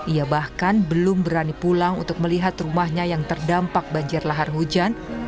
ia bahkan belum berani pulang untuk melihat rumahnya yang terdampak banjir lahar hujan